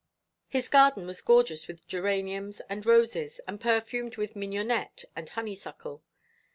His garden was gorgeous with geraniums and roses, and perfumed with mignonette and honeysuckle.